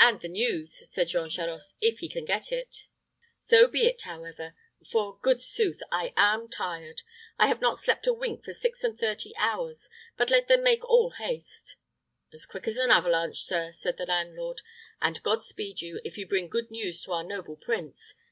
"And the news," said Jean Charost, "if he can get it. So be it, however; for, good sooth! I am tired. I have not slept a wink for six and thirty hours; but let them make all haste." "As quick as an avalanche, sir," said the landlord; "and God speed you, if you bring good news to our noble prince.